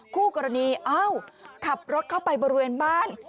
คู่กรณีอ้าวขับรถเข้าไปบริเวณบ้าน